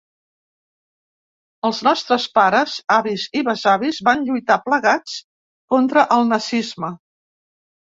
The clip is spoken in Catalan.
Els nostres pares, avis i besavis van lluitar plegats contra el nazisme.